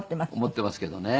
思っていますけどね。